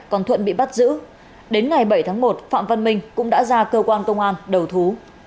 còn thuận bị bắt giữ đến ngày bảy tháng một phạm văn minh cũng đã ra cơ quan công an đầu thú